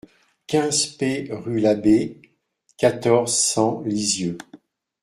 quinze P rue Labbey, quatorze, cent, Lisieux